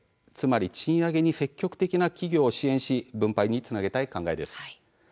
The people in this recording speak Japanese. つまり賃上げに積極的な企業を支援し分配につなげたい考えです。